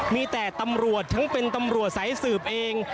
มีแต่ตำรวจทั้งเป็นตำรวจสายสืบเอง